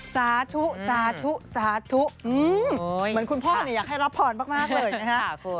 สาธุเหมือนคุณพ่ออยากให้รับผอนมากเลยนะฮะ